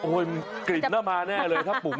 โอ้ยกลิ่นหน้ามาแน่เลยถ้าปุ้ง